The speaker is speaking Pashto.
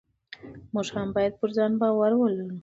موږ هم باید پر ځان باور ولرو.